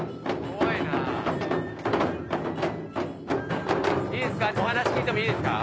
お話聞いてもいいですか？